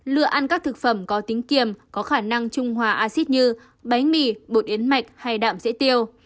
lựa ăn các thực phẩm có tính kiềm có khả năng trung hòa acid như bánh mì bột yến mạch hay đạm dễ tiêu